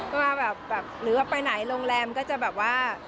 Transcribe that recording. ก็แบบหรือว่าไปไหนโรงแรมก็จะแบบว่า